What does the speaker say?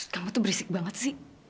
kamu tuh berisik banget sih